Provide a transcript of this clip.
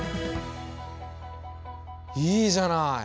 いいじゃない！